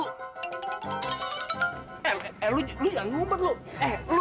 eh eh eh lu jangan ngumpet lu